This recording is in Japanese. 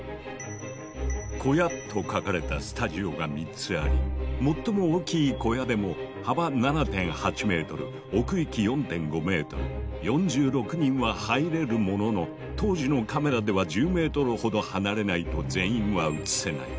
「小屋」と書かれたスタジオが３つあり最も大きい小屋でも幅７．８ｍ奥行き４．５ｍ４６人は入れるものの当時のカメラでは１０ｍほど離れないと全員は写せない。